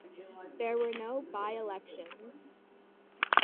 There were no by-elections.